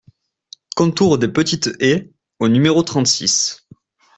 Contour des Petites Haies au numéro trente-six